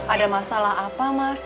ada masalah apa mas